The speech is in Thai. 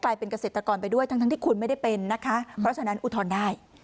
กลายเป็นเกษตรกรไปด้วยทั้งที่คุณไม่ได้เป็นนะคะเพราะฉะนั้นอุทธรณ์ได้